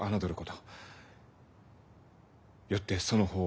よってその方を。